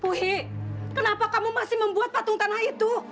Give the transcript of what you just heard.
uhi kenapa kamu masih membuat patung tanah itu